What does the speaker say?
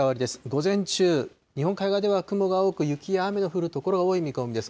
午前中、日本海側では雲が多く、雪や雨の降る所が多い見込みです。